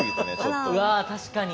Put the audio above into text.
うわ確かに。